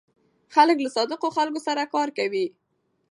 خلک له صادقو خلکو سره کار کوي.